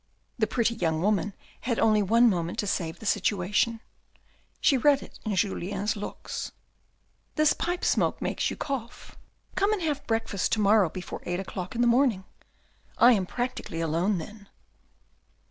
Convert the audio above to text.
The pretty young woman had only one moment to save the situation. She read it in Julien's looks. "This pipe smoke makes you cough; come and have breakfast to morrow before eight o'clock in the morning. I am practically alone then."